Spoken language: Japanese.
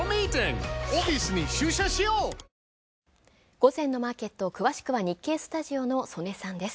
午前のマーケット、詳しくは日経スタジオの曽根さんです。